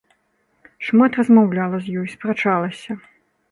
Шмат размаўляла з ёй, спрачалася.